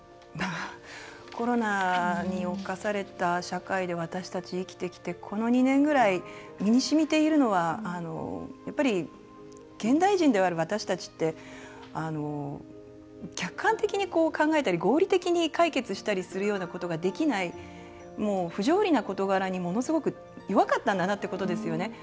コロナに侵された社会で私たち生きてきてこの２年ぐらい身にしみているのは、やっぱり現代人である私たちって客観的に考えたり、合理的に解決したりするようなことができない、不条理な事柄にものすごく弱かったんだなってことですよね。